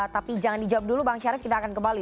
tapi jangan dijawab dulu bang syarif kita akan kembali